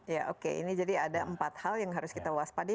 ya oke ini jadi ada empat hal yang harus kita waspadi